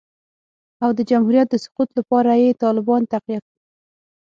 او د جمهوریت د سقوط لپاره یې طالبان تقویه کړل